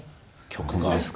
曲が。